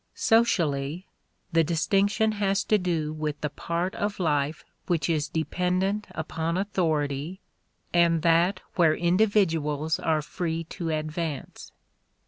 Socially the distinction has to do with the part of life which is dependent upon authority and that where individuals are free to advance.